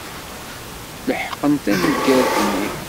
Leḥqen taneggart-nni.